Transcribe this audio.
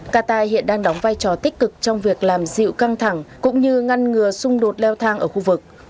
qatar hiện đang đóng vai trò tích cực trong việc làm dịu căng thẳng cũng như ngăn ngừa xung đột leo thang ở khu vực